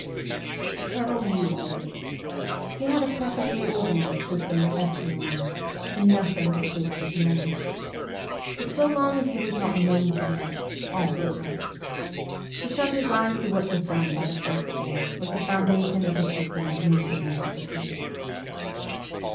The Colonel knew all this. He had a perfectly organized system of espionage, and nothing escaped his knowledge. But so long as he was not known to know it, all was right. To shut his eyes to what was done by the first form was the foundation of his system of maintaining discipline.